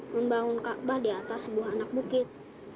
membangun kaabah di atas sebuah anak bukit